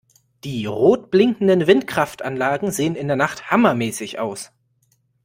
Die rot blinkenden Windkraftanlagen sehen in der Nacht hammermäßig aus!